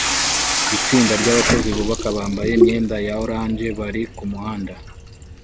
Itsinda ryabakozi bubaka bambaye imyenda ya orange bari kumuhanda